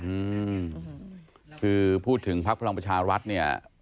อืมคือพูดถึงพักพลังประชารัฐเนี่ย